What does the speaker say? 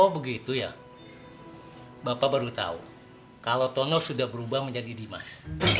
oh begitu ya bapak baru tahu kalau tono sudah berubah menjadi dimas